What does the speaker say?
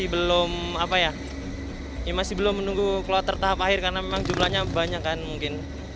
belum apa ya masih belum menunggu keluar tertahap akhir karena memang jumlahnya banyak kan mungkin